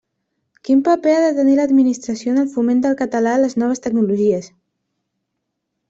Quin paper ha de tenir l'Administració en el foment del català a les noves tecnologies?